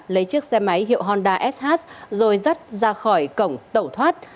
lấy chiếc xe máy hiệu honda sh rồi dắt ra khỏi cổng tẩu thoát